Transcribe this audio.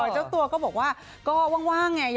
เจ้าตัวก็บอกว่าก็ว่างไง